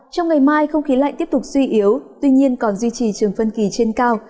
trong ngày mai không khí lạnh tiếp tục suy yếu tuy nhiên còn duy trì trường phân kỳ trên cao